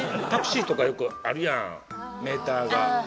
タクシーとかよくあるやんメーターが。